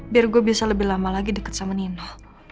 biar gue bisa lebih lama lagi deket sama nino